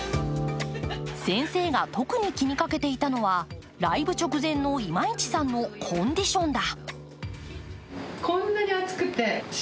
先生が特に気にかけていたのはライブ直前の今市さんのコンディションだ。